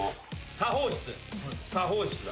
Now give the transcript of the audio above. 作法室だ。